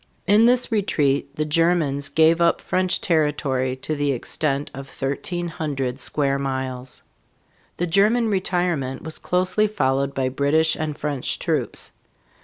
In this retreat the Germans gave up French territory to the extent of thirteen hundred square miles. The German retirement was closely followed by British and French troops.